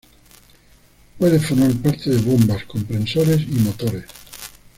Puede formar parte de bombas, compresores y motores.